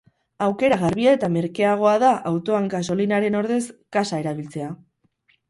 Aukera garbia eta merkeagoa da autoan gasolinaren ordez gasa erabiltzea.